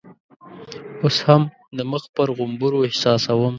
اوس هم د مخ پر غومبرو احساسوم.